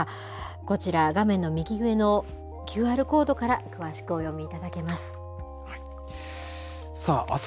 こちら、画面の右上のＱＲコードから、詳しくお読みいただけます。